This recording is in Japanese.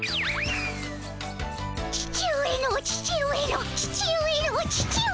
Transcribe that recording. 父上の父上の父上の父上。